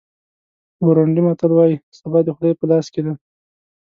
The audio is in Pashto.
بورونډي متل وایي سبا د خدای په لاس کې دی.